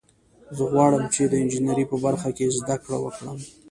زه غواړم چې د انجینرۍ په برخه کې زده کړه وکړم